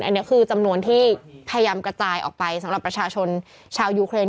อันนี้คือจำนวนที่พยายามกระจายออกไปสำหรับประชาชนชาวยูเครน